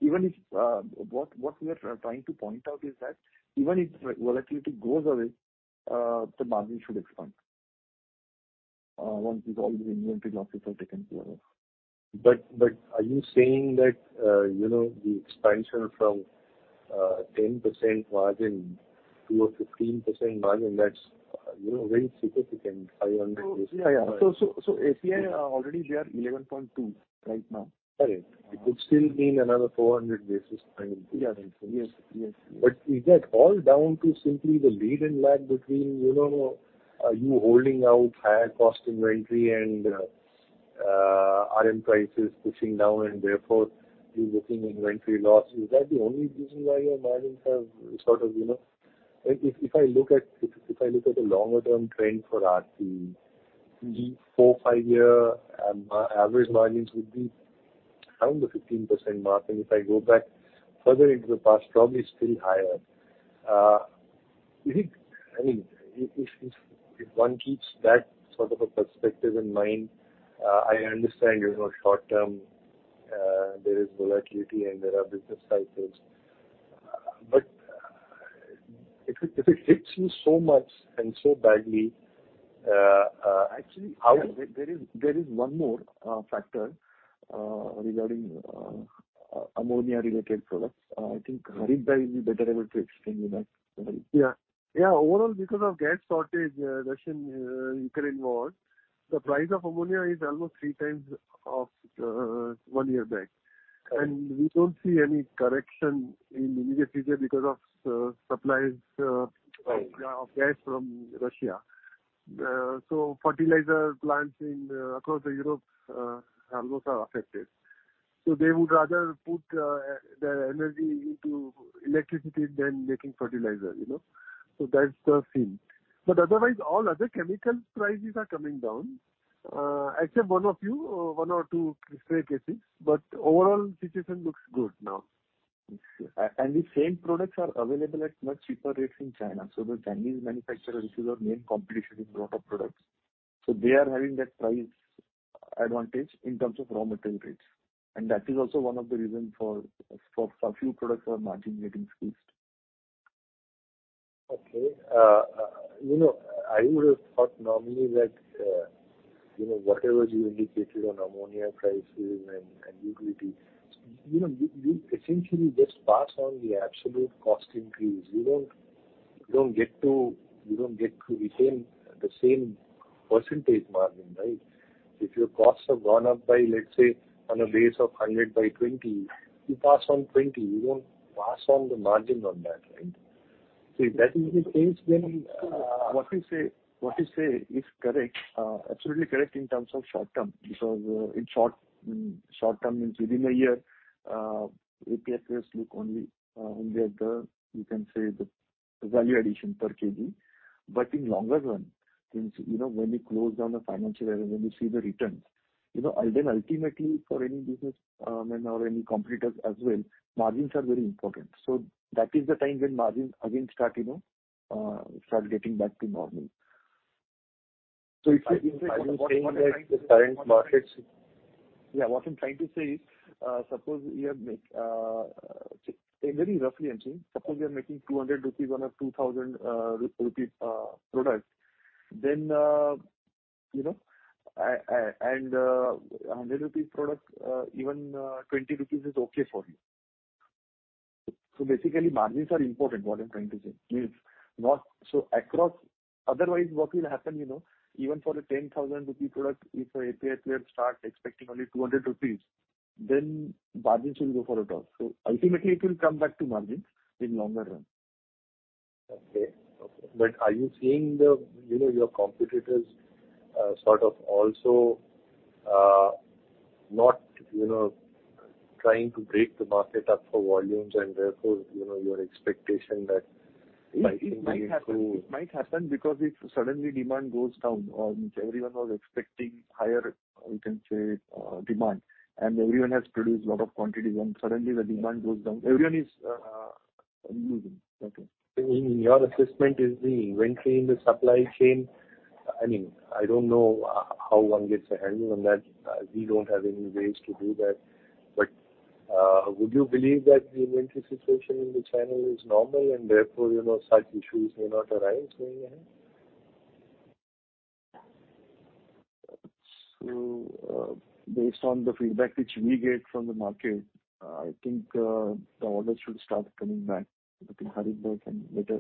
even if what we are trying to point out is that even if volatility goes away, the margin should expand once all these inventory losses are taken care of. Are you saying that, you know, the expansion from 10% margin to a 15% margin that's, you know, very significant. 500 basis points? API already we are 11.2 right now. Correct. It would still mean another 400 basis points. Yeah. Yes. Is that all down to simply the lead and lag between, you know, are you holding out higher cost inventory and RM prices pushing down and therefore you're booking inventory loss? Is that the only reason why your margins have sort of, you know? If I look at the longer term trend for Aarti, the four, five year average margins would be around the 15% mark. If I go back further into the past, probably still higher. Do you think, I mean, if one keeps that sort of a perspective in mind, I understand, you know, short term there is volatility and there are business cycles. If it hits you so much and so badly, actually how- There is one more factor regarding ammonia related products. I think Harish Shah will be better able to explain to you that. Harit. Overall, because of gas shortage, Russia-Ukraine war, the price of ammonia is almost three times of one year back. We don't see any correction in immediate future because of supplies of gas from Russia. Fertilizer plants across Europe almost are affected. They would rather put their energy into electricity than making fertilizer, you know. That's the scene. Otherwise, all other chemical prices are coming down, except one or two stray cases, but overall situation looks good now. I see. The same products are available at much cheaper rates in China. The Chinese manufacturers, which is our main competition in a lot of products, they are having that price advantage in terms of raw material rates. That is also one of the reason for some few products our margins squeezed. Okay. You know, I would have thought normally that, you know, whatever you indicated on ammonia prices and utility, you know, you essentially just pass on the absolute cost increase. You don't get to retain the same percentage margin, right? If your costs have gone up by, let's say, on a base of 100 by 20, you pass on 20, you don't pass on the margin on that, right? If that is the case, then. What you say is correct, absolutely correct in terms of short-term because in short term means within a year, API players look only at the, you can say, the value addition per kg. In longer run, things you know when we close down the financial year, when we see the returns you know and then ultimately for any business and or any competitors as well, margins are very important. That is the time when margins again start you know getting back to normal. Are you saying that the current markets? What I'm trying to say is, very roughly, suppose we are making 200 crore rupees on a 2,000 crore rupee product, then, you know, and a 100 crore rupees product, even 20 crore rupees is okay for you. Basically, margins are important, what I'm trying to say. Yes. Otherwise, what will happen, you know? Even for a 10,000 crore rupee product, if API players start expecting only 200 crore rupees, then margins will go for a toss. Ultimately it will come back to margins in longer run. Are you seeing the, you know, your competitors sort of also not, you know, trying to break the market up for volumes and therefore, you know, your expectation that pricing needs to? It might happen because if suddenly demand goes down on which everyone was expecting higher, you can say, demand, and everyone has produced lot of quantities, and suddenly the demand goes down, everyone is losing. Okay. In your assessment is the inventory in the supply chain, I mean, I don't know how one gets a handle on that. We don't have any ways to do that. Would you believe that the inventory situation in the channel is normal and therefore, you know, such issues may not arise going ahead? Based on the feedback which we get from the market, I think the orders should start coming back between half year and later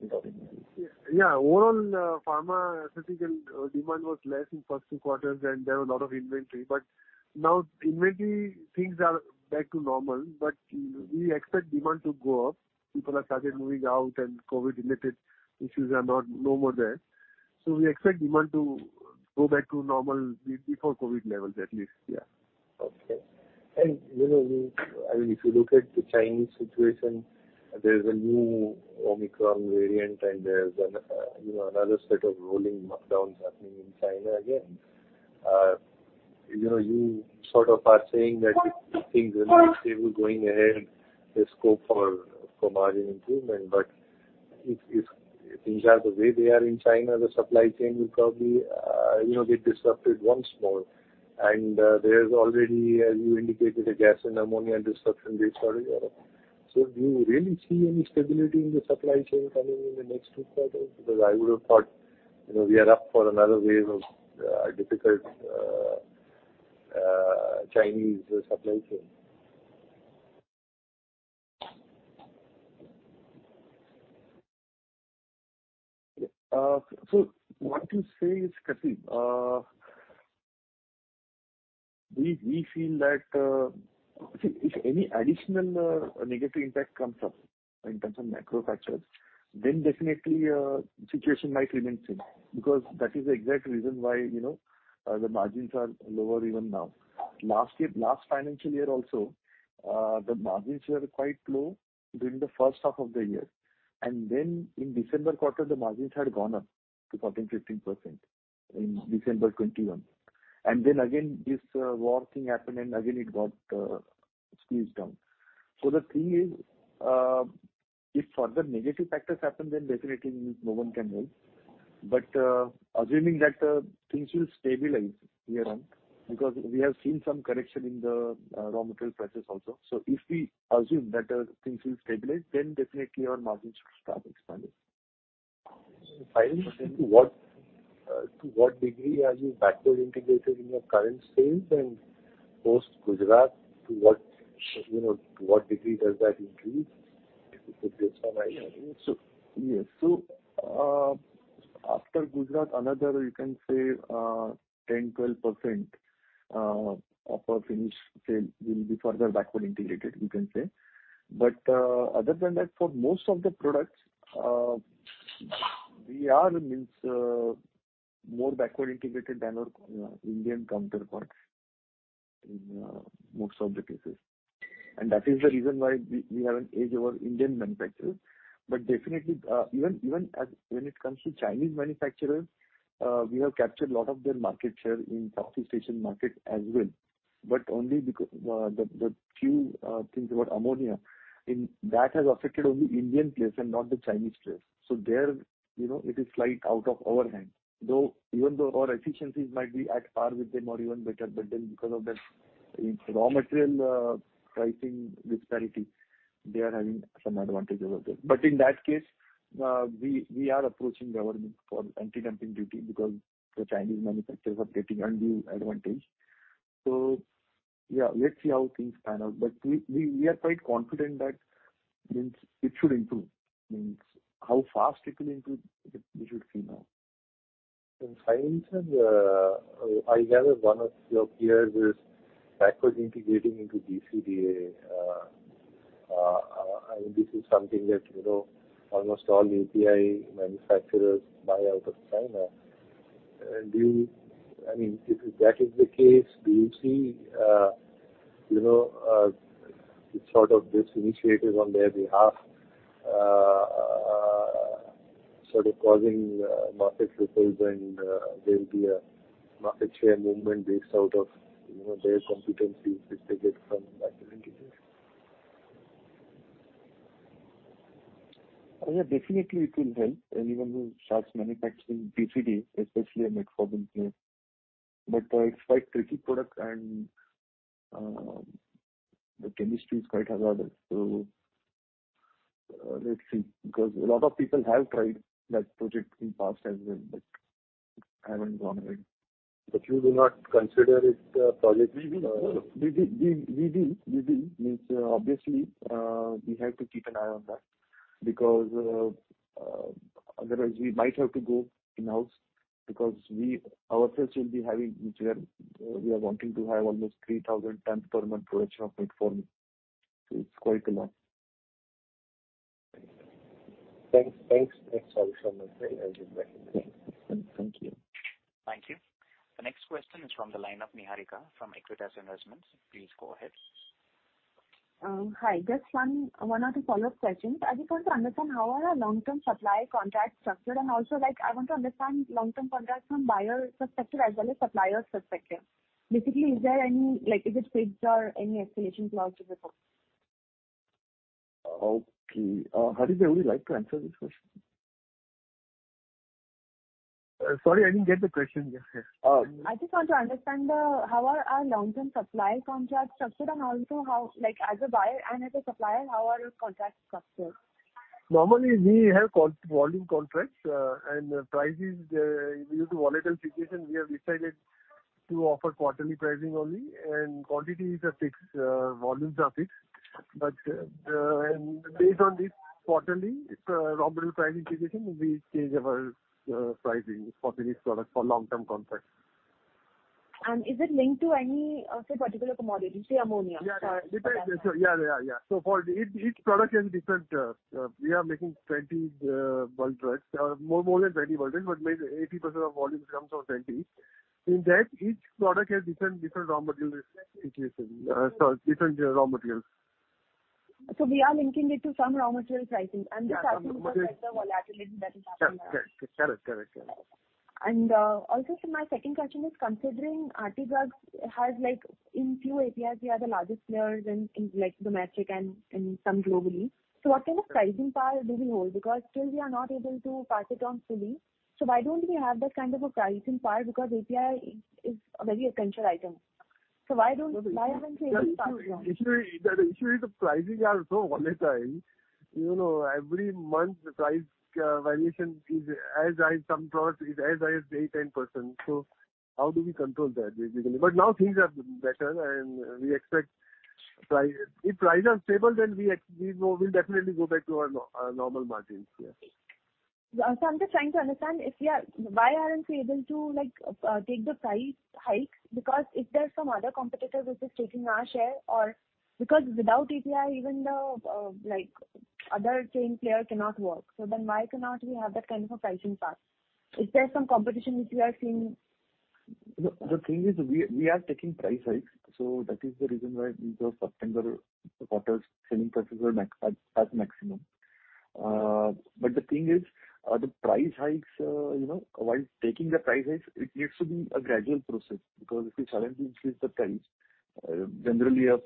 in the year. Overall, pharma surgical demand was less in first two quarters, and there were a lot of inventory. Now inventory things are back to normal, but we expect demand to go up. People have started moving out and COVID-related issues are no more there. We expect demand to go back to normal before COVID levels, at least. Okay. You know, I mean, if you look at the Chinese situation, there's a new Omicron variant, and there's another set of rolling lockdowns happening in China again. You know, you sort of are saying that things are stable going ahead and there's scope for margin improvement. But if things are the way they are in China, the supply chain will probably get disrupted once more. There's already, as you indicated, a gas and ammonia disruption they started. Do you really see any stability in the supply chain coming in the next two quarters? Because I would have thought, you know, we are up for another wave of difficult Chinese supply chain. What you say is correct. We feel that, see, if any additional negative impact comes up in terms of macro factors, then definitely situation might remain same because that is the exact reason why, you know, the margins are lower even now. Last year, last financial year also, the margins were quite low during the first half of the year. Then in December quarter, the margins had gone up to 14% to 15% in December 2021. Then again, this war thing happened and again it got squeezed down. The thing is, if further negative factors happen, then definitely no one can help. Assuming that things will stabilize here on, because we have seen some correction in the raw material prices also. If we assume that, things will stabilize, then definitely our margins should start expanding. Finally, to what degree are you backward integrated in your current sales and post Gujarat, to what, you know, degree does that increase, if you could based on- Yes, after Gujarat, another, you can say, 10-12% of our finished sales will be further backward integrated, you can say. Other than that, for most of the products, we are, I mean, more backward integrated than our Indian counterpart in most of the cases. That is the reason why we have an edge over Indian manufacturers. Definitely, even when it comes to Chinese manufacturers, we have captured a lot of their market share in caffeine market as well, but only because the few things about ammonia in that has affected only Indian players and not the Chinese players. There, you know, it is slightly out of our hands, even though our efficiencies might be on par with them or even better, but then because of that in raw material pricing disparity, they are having some advantage over there. In that case, we are approaching government for anti-dumping duty because the Chinese manufacturers are getting undue advantage. Yeah, let's see how things pan out. We are quite confident that it should improve. How fast it will improve, we should see now. In this sense, I gather one of your peers is backward integrating into DCDA, and this is something that, you know, almost all API manufacturers buy out of China. I mean, if that is the case, do you see, you know, sort of this initiative on their behalf, sort of causing market ripples and, there'll be a market share movement based out of, you know, their competencies which they get from backward integration? Yeah, definitely it will help anyone who starts manufacturing DCDA, especially a metformin player. It's quite tricky product and the chemistry is quite hazardous. Let's see, because a lot of people have tried that project in past as well, but haven't gone ahead. You will not consider it a project? We will. Means, obviously, we have to keep an eye on that because, otherwise we might have to go in-house because we ourselves will be having, which we are wanting to have almost 3,000 tons per month production of metformin. It's quite a lot. Thanks so much for your recommendation. Thank you. Thank you. The next question is from the line of Niharika from Equitas Investments. Please go ahead. Hi. Just one or two follow-up questions. I just want to understand how are our long-term supply contracts structured and also like I want to understand long-term contracts from buyer perspective as well as supplier perspective. Basically, is there any like is it fixed or any escalation clause before? Okay. Harit, would you like to answer this question? Sorry, I didn't get the question. Yeah. I just want to understand, how are our long-term supply contracts structured and also how like as a buyer and as a supplier, how are your contracts structured? Normally we have volume contracts and prices. Due to volatile situation, we have decided to offer quarterly pricing only, and quantities are fixed, volumes are fixed. Based on this quarterly raw material price indication, we change our pricing for finished product for long-term contracts. Is it linked to any, say, particular commodity, say ammonia? It depends. We are making 20 bulk drugs, more than 20 bulk drugs, but maybe 80% of volume comes from 20. In that each product has different raw material situation, so different raw materials. We are linking it to some raw material pricing. Yeah, some raw material. This pricing reflects the volatility that is happening. Correct. My second question is considering Aarti Drugs has like in few APIs we are the largest players in, like metformin and some globally. What kind of pricing power do we hold? Because still we are not able to pass it on fully. Why don't we have that kind of a pricing power? Because API is a very essential item. Why aren't we able to pass it on? The issue is the pricing are so volatile. You know, every month the price, variation is as high, some products is as high as 8% to 10%. How do we control that basically? Now things are better and we expect price. If prices are stable, then we know we'll definitely go back to our normal margins. Yes. I'm just trying to understand why aren't we able to like, take the price hikes? Because if there's some other competitor which is taking our share or because without API even the, like other chain player cannot work. Why cannot we have that kind of a pricing power? Is there some competition which we are seeing? The thing is we are taking price hikes, so that is the reason why these September quarters selling prices were at maximum. But the thing is, the price hikes, you know, while taking the price hikes, it needs to be a gradual process because if you suddenly increase the price, generally, I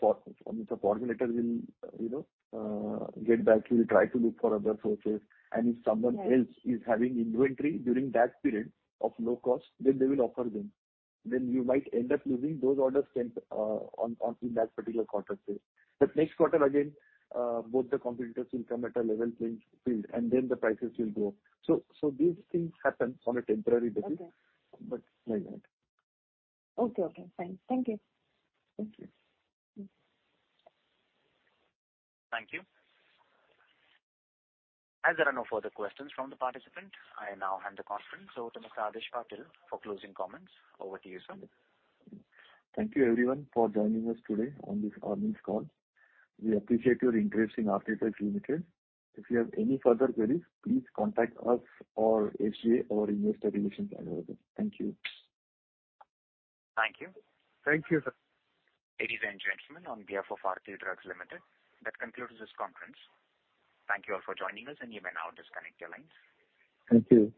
mean, the formulator will, you know, get back. He'll try to look for other sources. If someone else is having inventory during that period of low cost, then they will offer them. You might end up losing those orders then, in that particular quarter say. Next quarter again, both the competitors will come at a level playing field, and then the prices will go up. These things happen on a temporary basis. Okay. Like that. Okay. Fine. Thank you. Thank you. Thank you. As there are no further questions from the participant, I now hand the conference over to Mr. Adhish Patil for closing comments. Over to you, sir. Thank you everyone for joining us today on this earnings call. We appreciate your interest in Aarti Drugs Limited. If you have any further queries, please contact us or HKA, our investor relations available. Thank you. Thank you. Thank you, sir. Ladies and gentlemen, on behalf of Aarti Drugs Limited, that concludes this conference. Thank you all for joining us, and you may now disconnect your lines. Thank you.